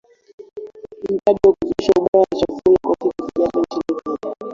Mradi wa kuzidisha ubora wa chakula kwa siku zijazo nchini Kenya